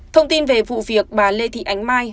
thông tin về vụ việc bà lê thị ánh mai